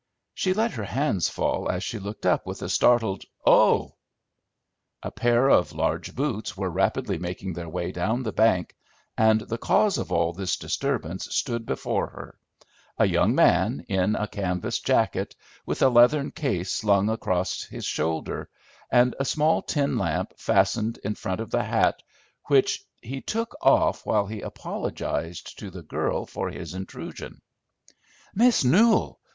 She let her hands fall as she looked up, with a startled "Oh!" A pair of large boots were rapidly making their way down the bank, and the cause of all this disturbance stood before her, a young man in a canvas jacket, with a leathern case slung across his shoulder, and a small tin lamp fastened in front of the hat which he took off while he apologized to the girl for his intrusion. "Miss Newell!